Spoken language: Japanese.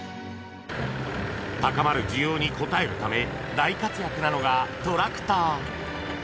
高まる需要に応えるため大活躍なのがトラクター